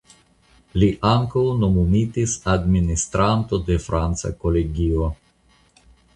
Li ankaŭ nomumitis administranto de Franca Kolegio.